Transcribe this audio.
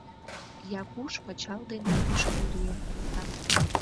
Якуш пычал дене кӱшкӧ лӱен колта.